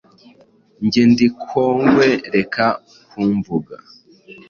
njye ndi kongwe reka kumvuga